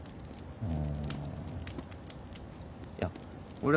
うん。